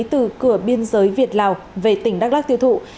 từ cửa biên giới việt lào về tỉnh đắk lắc tiêu thụ